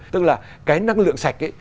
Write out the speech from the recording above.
tức là cái năng lượng sạch